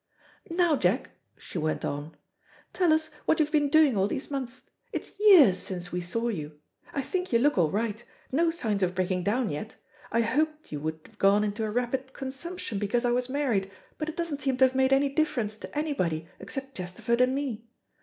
"Now, Jack," she went on, "tell us what you've been doing all these months. It's years since we saw you. I think you look all right. No signs of breaking down yet. I hoped you would have gone into a rapid consumption, because I was married, but it doesn't seem to have made any difference to anybody except Chesterford and me.